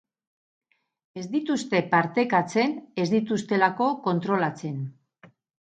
Ez dituzte partekatzen ez dituztelako kontrolatzen.